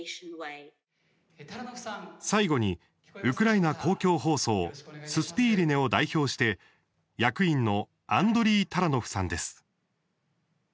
最後に、ウクライナ公共放送ススピーリネを代表して役員のアンドリー・タラノフさんです。